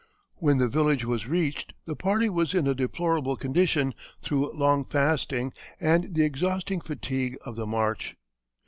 When the village was reached, the party was in a deplorable condition through long fasting and the exhausting fatigue of the march.